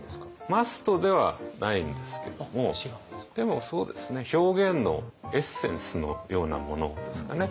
マストではないんですけどもでもそうですね表現のエッセンスのようなものですかね。